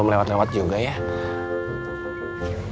tau emang haruswaiting